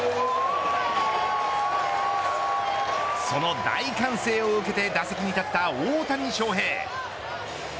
その大歓声を受けて打席に立った大谷翔平。